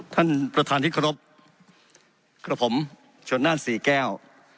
ท่านประธานทิศครบครับผมชนนานศรีแก้ว